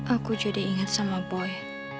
aku jadi ingat sama boy